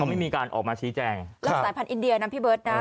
ไม่มีการออกมาชี้แจงแล้วสายพันธุอินเดียนะพี่เบิร์ตนะ